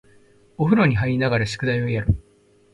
お風呂に入りながら宿題をやる